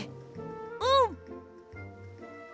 うん！